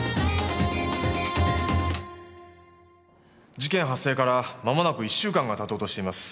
事件発生からまもなく１週間が経とうとしています。